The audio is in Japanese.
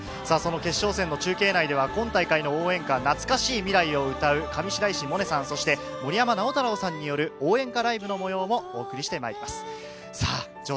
決勝戦の中継内では今大会の応援歌『懐かしい未来』を歌う上白石萌音さん、森山直太朗さんによる応援歌ライブの模様をお送りしてまいります。